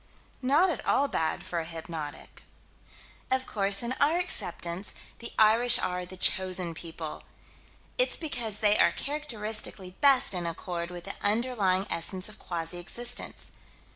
Not at all bad for a hypnotic. Of course, in our acceptance, the Irish are the Chosen People. It's because they are characteristically best in accord with the underlying essence of quasi existence.